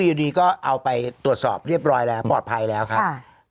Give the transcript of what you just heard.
อยู่ดีก็เอาไปตรวจสอบเรียบร้อยแล้วปลอดภัยแล้วครับ